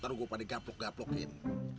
kan gue pada gaplok gaplokin